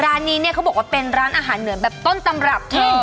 ร้านนี้เค้าบอกว่าเป็นร้านอาหารเหนือนแบบต้นตำรับเธอ